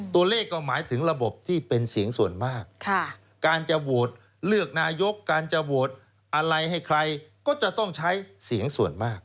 ตัวเลขก็หมายถึงระบบที่เป็นเสียงส่วนมาก